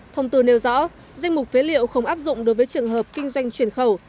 thông tư nêu rõ danh mục phế liệu không áp dụng đối với trường hợp kinh doanh chuyển khẩu